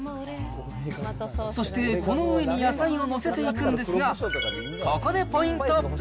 そしてこの上に野菜を載せていくんですが、ここでポイント。